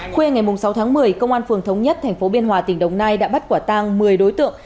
khuya ngày sáu tháng một mươi công an phường thống nhất tp biên hòa tỉnh đồng nai đã bắt quả tang một mươi đối tượng